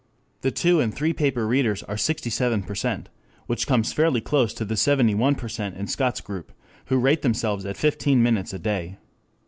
The two and three paper readers are sixty seven percent, which comes fairly close to the seventy one percent in Scott's group who rate themselves at fifteen minutes a day.